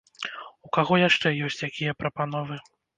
У каго яшчэ ёсць якія прапановы?